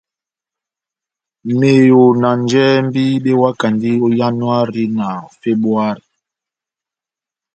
Meyo na njɛhɛmbi bewakandi ó Yanuhari na Febuwari.